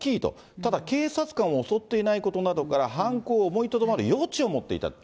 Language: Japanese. ただ、警察官を襲っていないことなどから、犯行を思いとどまる余地を持っていたと。